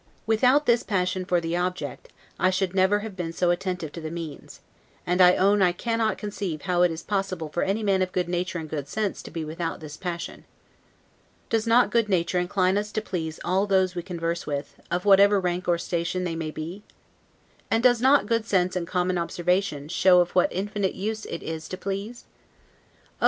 Without this passion for the object, I should never have been so attentive to the means; and I own I cannot conceive how it is possible for any man of good nature and good sense to be without this passion. Does not good nature incline us to please all those we converse with, of whatever rank or station they may be? And does not good sense and common observation, show of what infinite use it is to please? Oh!